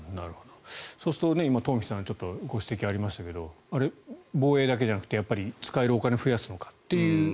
そうすると今、トンフィさんからご指摘がありましたが防衛だけじゃなくて使えるお金を増やすのかと。